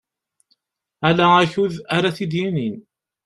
Ala akud ara t-id-yinin.